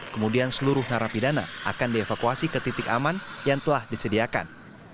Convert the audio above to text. kemudian seluruh narapidana akan dievakuasi ke titik aman yang telah disediakan